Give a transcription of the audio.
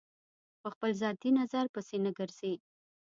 په خپل ذاتي نظر پسې نه ګرځي.